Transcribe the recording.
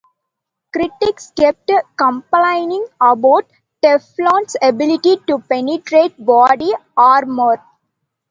Critics kept complaining about Teflon's ability to penetrate body armor...